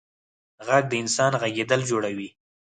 غږ د انسان غږېدل جوړوي.